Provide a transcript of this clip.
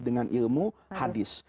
dengan ilmu hadis